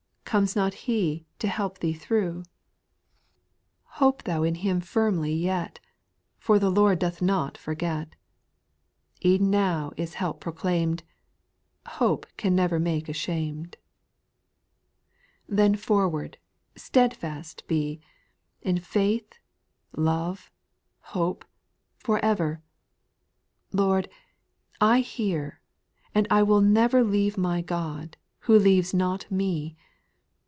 Comes He not to help thee through ? 864 SPIRITUAL SONGS. Hope thou in Ilim firmly yet, For the Lord doth not forget ; Even now is help proclaim'd ; Hope can never make ashamed 6. Then forward ! steadfast be, In faith, love, hope, for ever I Lord, I hear, and I will never Leave my God, who leaves not me.